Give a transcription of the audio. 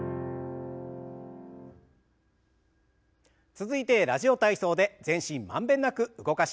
続いて「ラジオ体操」で全身満遍なく動かしましょう。